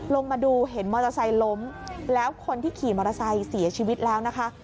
ลงมาดูเห็นมอเตอร์ไซค์ล้มแล้วคนที่ขี่มอเตอร์ไซค์เสียชีวิตแล้วนะคะ